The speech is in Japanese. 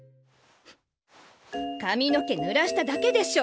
かみの毛ぬらしただけでしょ！